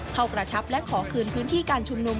กระชับและขอคืนพื้นที่การชุมนุม